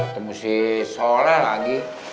temu si soleh lagi